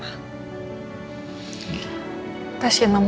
aku juga mau ke kuburan papa